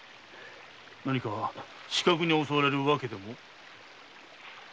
何か刺客に襲われる訳でも？